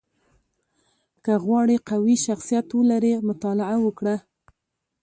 • که غواړې قوي شخصیت ولرې، مطالعه وکړه.